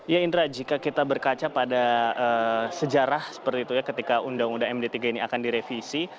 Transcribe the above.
ya indra jika kita berkaca pada sejarah seperti itu ya ketika undang undang md tiga ini akan direvisi